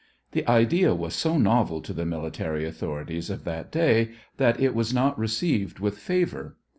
The idea was so novel to the military authorities of that day that it was not received with favor.